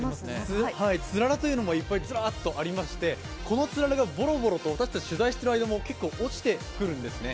つららというのもいっぱいずらっとありまして、このつららがボロボロと結構落ちてくるんですね。